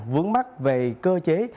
vướng mắt về cơ chế